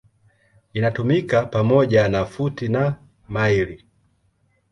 Inatumika pamoja na futi na maili.